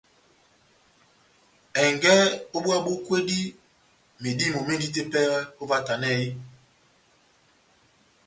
Ɛngɛ ó búwa bó kwédi, medímo médini tepɛhɛ óvahtanɛ ?